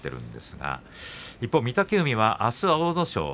一方の御嶽海はあすは阿武咲